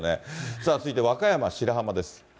さあ続いて、和歌山・白浜です。